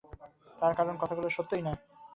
তার কারণ, কথাগুলো সত্যই নয়।